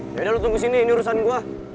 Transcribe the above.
yaudah lo tunggu sini ini urusan gue